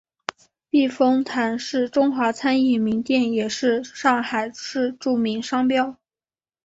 避风塘是中华餐饮名店也是上海市著名商标。